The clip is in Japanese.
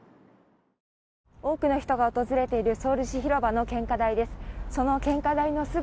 多くの人が訪れているソウル市広場の献花台です。